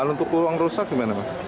untuk uang rusak gimana